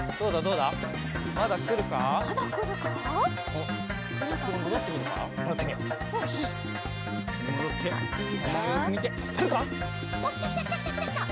おっきたきたきたきた！